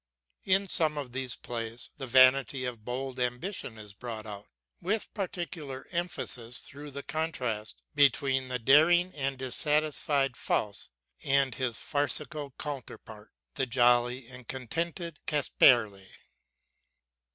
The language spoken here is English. In some of these plays, the vanity of bold ambition is brought out with particular emphasis through the contrast between the daring and dissatisfied Faust and his farcical counterpart, the jolly and contented Casperle.